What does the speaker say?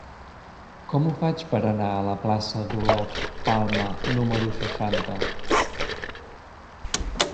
Com ho faig per anar a la plaça d'Olof Palme número seixanta?